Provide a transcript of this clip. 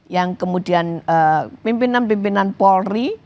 yang kemudian pimpinan pimpinan polri